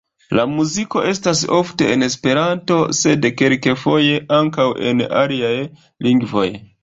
La muziko estas ofte en esperanto, sed kelkfoje ankaŭ en aliaj lingvoj.